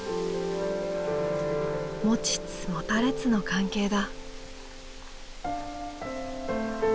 持ちつ持たれつの関係だ。